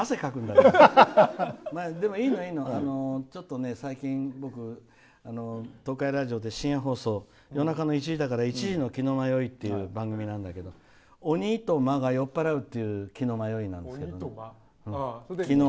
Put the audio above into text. ちょっとね、最近東海ラジオで深夜放送、夜中の１時だから「１時の鬼の魔酔い」っていう番組なんだけど鬼と魔が酔っ払うという気の迷いなんです。